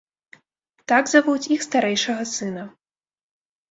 Так завуць іх старэйшага сына.